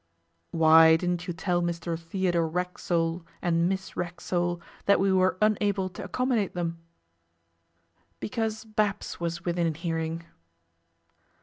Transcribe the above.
'Why didn't you tell Mr Theodore Racksole and Miss Racksole that we were unable to accommodate them?' 'Because Babs was within hearing.